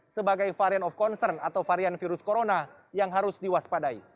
sebagai varian of concern atau varian virus corona yang harus diwaspadai